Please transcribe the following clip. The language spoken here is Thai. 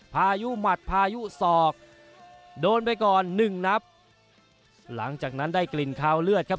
พายุหมัดพายุศอกโดนไปก่อนหนึ่งนับหลังจากนั้นได้กลิ่นคาวเลือดครับ